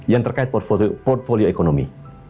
yang terkait portfolio ekonomi